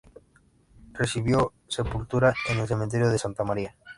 Recibió sepultura en el cementerio de Santa María.